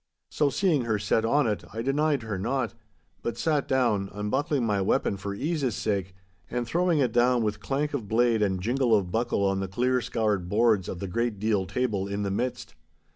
So, seeing her set on it, I denied her not; but sat down, unbuckling my weapon for ease's sake, and throwing it down with clank of blade and jingle of buckle on the clear scoured boards of the great deal table in the midst.